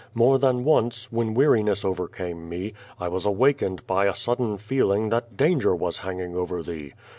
More than once, when weariness overcame me, I was awakened by a sudden feeling that danger was hanging over thee.